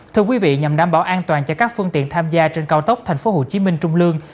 thưa quý vị nhằm đảm bảo an toàn cho các phương tiện tham gia trên cao tốc tp hcm trung lương